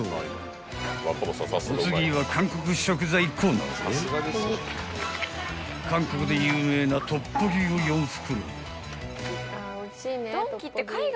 ［お次は韓国食材コーナーで韓国で有名なトッポギを４袋］